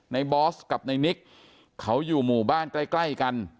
บอสกับในนิกเขาอยู่หมู่บ้านใกล้กัน